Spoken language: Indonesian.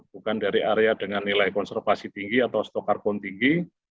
bukan dari area dengan nilai konservasi tinggi atau stok karbon tinggi